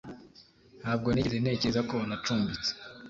ntabwo nigeze ntekereza ko nacumbitse